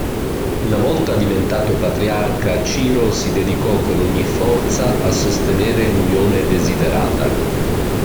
Una volta diventato patriarca, Ciro si dedicò con ogni forza a sostenere l'unione desiderata.